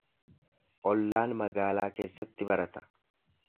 Ollaan magaalaa keessatti barata.